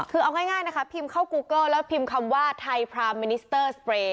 คือเอาง่ายนะคะพิมพ์เข้ากูเกอร์แล้วพิมพ์คำว่าไทยพรามินิสเตอร์สเปรย์